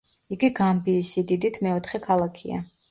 იგი გამბიის სიდიდით მეოთხე ქალაქია.